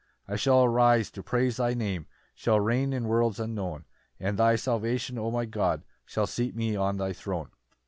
10 "I shall arise to praise thy Name, "Shall reign in worlds unknown; "And thy salvation, O my God, "Shall seat me on thy throne."